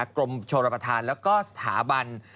กรมโชรประธานและสถาบัน